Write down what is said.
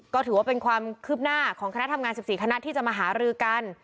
ก็ถือว่าเป็นความคืบหน้าของคณะทำงาน๑๔คณะที่จะมาหารือกัน